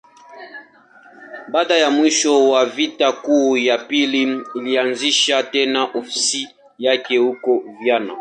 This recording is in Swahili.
Baada ya mwisho wa Vita Kuu ya Pili, alianzisha tena ofisi yake huko Vienna.